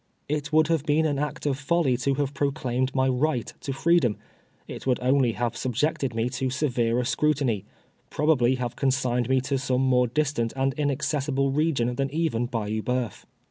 It would have been an act of folly to have proclaimed my right to freedom ; it would only have subjected me to severer scrutiny — probably have consigned me to some more distant and inaccessible region than even Bayou Bceuf.